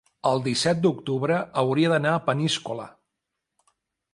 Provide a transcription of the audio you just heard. El disset d'octubre hauria d'anar a Peníscola.